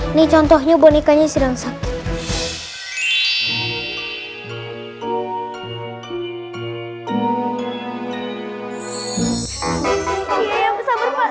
ini contohnya bonekanya sedang sakit